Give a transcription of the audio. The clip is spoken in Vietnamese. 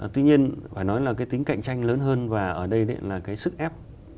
tuy nhiên phải nói là cái tính cạnh tranh lớn hơn và ở đây là cái sức ép